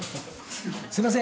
「すいません